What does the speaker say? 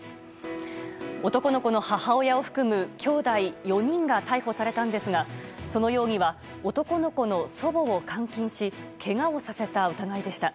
男の子の母親を含むきょうだい４人が逮捕されたんですがその容疑は男の子の祖母を監禁しけがをさせた疑いでした。